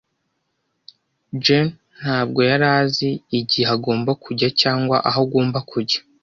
Jane ntabwo yari azi igihe agomba kujya cyangwa aho agomba kujya.